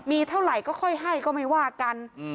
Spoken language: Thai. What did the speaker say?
มีเท่าไหร่ก็ค่อยให้ก็ไม่ว่ากัน